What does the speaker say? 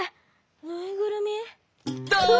ぬいぐるみ？だあ！